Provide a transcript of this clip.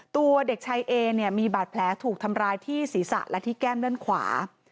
ตัวเด็กชายเอเนี่ยมีบาดแผลถูกทำร้ายที่ศีรษะและที่แก้มด้านขวา